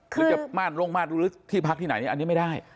หรือจะมาดลงมาดหรือที่พักที่ไหนอันนี้ไม่ได้